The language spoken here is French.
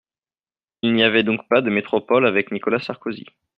Il n’y avait donc pas de métropole avec Nicolas Sarkozy.